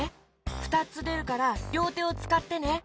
ふたつでるからりょうてをつかってね！